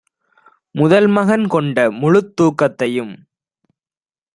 முதல்மகன் கொண்ட முழுத்தூக் கத்தையும்